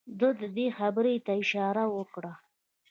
ده دې خبرې ته اشاره وکړه.